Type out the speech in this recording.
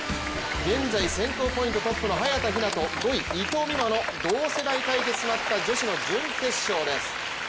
現在選考ポイントトップの早田ひなと５位・伊藤美誠の同世代対決となった、女子の準決勝です。